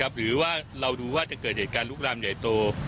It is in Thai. หรือว่าเราดูว่าจะเกิดเหตุการณ์ลุกรามใหญ่โต